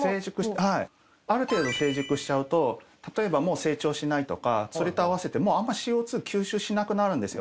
ある程度成熟しちゃうと例えばもう成長しないとかそれと合わせてもうあんまＣＯ２吸収しなくなるんですよ